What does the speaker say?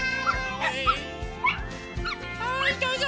はいどうぞ！